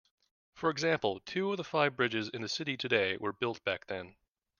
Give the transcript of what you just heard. For example, two of the five bridges in the city today were built back then.